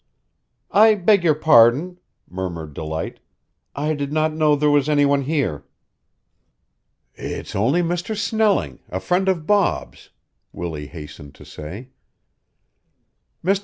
"I beg your pardon," murmured Delight. "I did not know there was any one here." "It's only Mr. Snelling, a friend of Bob's," Willie hastened to say. "Mr.